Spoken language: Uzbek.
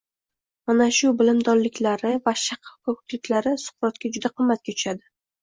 Mana shu bilimdonliklari va shakkokliklari Suqrotga juda qimmatga tushadi